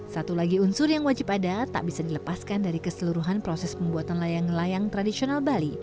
satu lagi unsur yang wajib ada tak bisa dilepaskan dari keseluruhan proses pembuatan layang layang tradisional bali